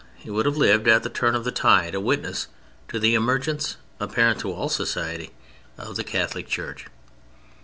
He would have lived at the turn of the tide: a witness to the emergence, apparent to all Society, of the Catholic Church.